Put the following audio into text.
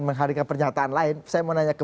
menghadirkan pernyataan lain saya mau nanya ke